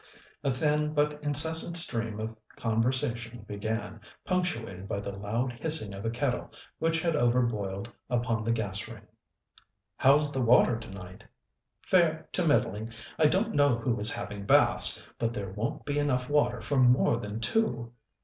A thin but incessant stream of conversation began, punctuated by the loud hissing of a kettle which had overboiled upon the gas ring. "How's the water tonight?" "Fair to middling. I don't know who is having baths, but there won't be enough water for more than two."